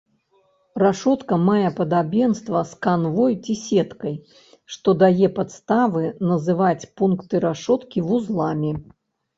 Рашотка мае падабенства з канвой ці сеткай, што дае падставы называць пункты рашоткі вузламі.